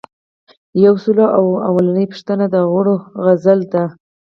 یو سل او لومړۍ پوښتنه د غړو عزل دی.